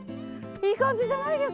いい感じじゃない？